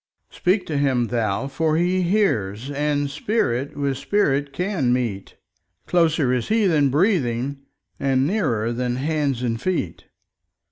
Speak to Him thou for He hears, and Spirit with Spirit can meet—Closer is He than breathing, and nearer than hands and feet.